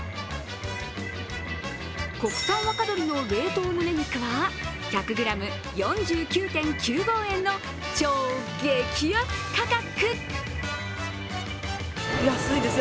国産若鶏の冷凍むね肉は１００ｇ４９．９５円の超激安価格。